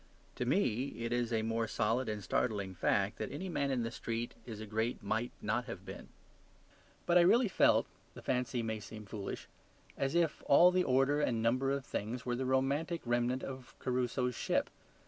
To me it is a more solid and startling fact that any man in the street is a Great Might Not Have Been. But I really felt (the fancy may seem foolish) as if all the order and number of things were the romantic remnant of Crusoe's ship.